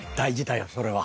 それは。